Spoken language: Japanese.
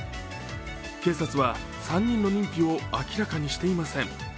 警察は３人の認否を明らかにしていません。